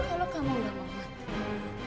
kalau kamu nggak mau mati